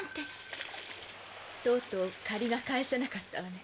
冴子：とうとう借りが返せなかったわね。